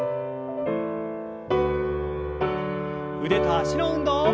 腕と脚の運動。